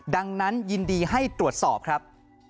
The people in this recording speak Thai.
ดังนั้นยินดีให้ตรวจสอบครับ